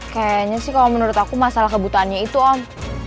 kayaknya sih kalau menurut aku masalah kebutuhannya itu om